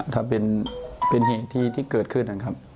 ถ้าเป็นเหตุที่เกิดขึ้นนะครับ